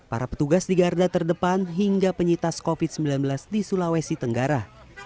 para petugas di garda terdepan hingga penyintas covid sembilan belas di sulawesi tenggara